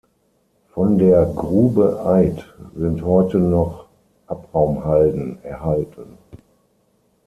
Von der Grube Eid sind heute noch Abraumhalden erhalten.